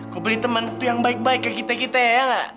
kok beli temen tuh yang baik baik kayak kita kita ya gak